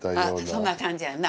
そんな感じやんな。